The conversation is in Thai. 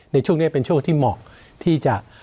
ในช่วงนี้เป็นช่วงที่เหมาะที่จะ